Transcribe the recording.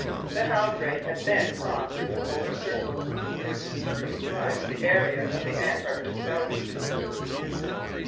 The Halbrane had then crossed the Polar Circle which circumscribes the area of the Antarctic zone.